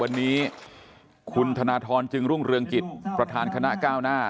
วันนี้คุณธนทรจึงรุ่งเรืองกิจประธานคณะก้าวหน้า